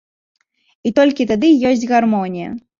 І толькі тады ёсць гармонія!